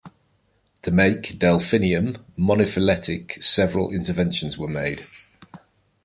To make "Delphinium" monophyletic, several interventions were made.